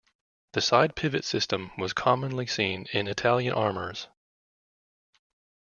The side-pivot system was commonly seen in Italian armours.